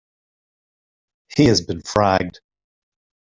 He has been "fragged".